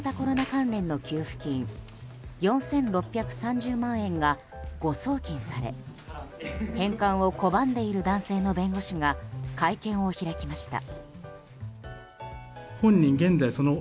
関連の給付金４６３０万円が誤送金され返還を拒んでいる男性の弁護士が会見を開きました。